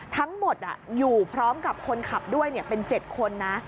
ทั้งหมดอยู่พร้อมกับคนขับด้วยเป็น๗คนนะ